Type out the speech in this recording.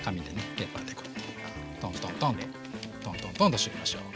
ペーパーでこうやってトントントンとトントントンとしときましょう。